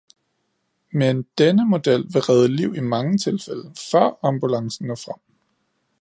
Men denne model vil redde liv i mange tilfælde, før ambulancen når frem.